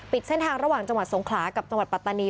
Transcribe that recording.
เส้นทางระหว่างจังหวัดสงขลากับจังหวัดปัตตานี